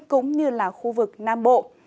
cũng như là khu vực nam bộ